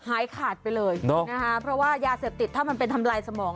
หายขาดไปเลยนะคะเพราะว่ายาเสพติดถ้ามันเป็นทำลายสมอง